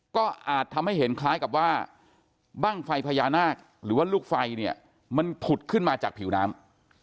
ก็อาจทำให้เห็นคล้ายกับว่าบ้างไฟพญานาคหรือว่าลูกไฟเนี่ยมันผุดขึ้นมาจากผิวน้ำ